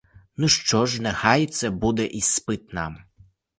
Ну що ж, нехай це буде іспит нам.